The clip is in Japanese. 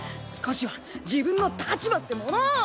少しは自分の立場ってものを。